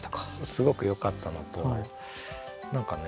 すごくよかったのと何かね